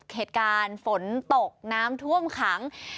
เหตุการณ์ฝนตกน้ำท่วมขัง